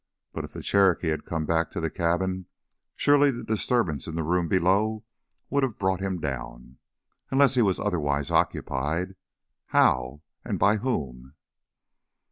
But if the Cherokee had come back to the cabin, surely the disturbance in the room below would have brought him down. Unless he was otherwise occupied.... How? And by whom?